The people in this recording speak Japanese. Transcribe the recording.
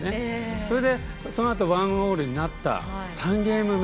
それで、そのあと１オールになった３ゲーム目。